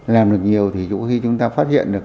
làm được nhiều thì dù khi chúng ta phát hiện được